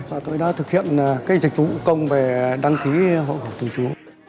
và tôi đã thực hiện cái dịch vụ công về đăng ký hộ hộ tù chú